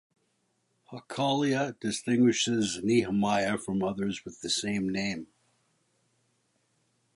Hachaliah distinguishes Nehemiah from others with the same name.